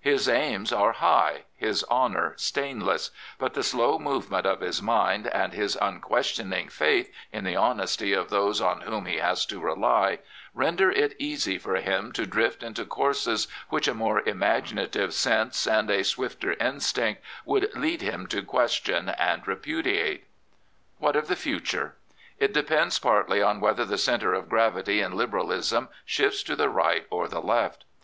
His aims are high, his honour stainless; but the slow movement of his mind and his unquestioning faith in the honesty of those on whom he has to rely render it easy for him to drift into courses which a more imaginative sense and a swifter instinct would lead him to question and repudiate. What of the future? It depends partly on whether the centre of gravity in Liberalism shifts to the right or the left.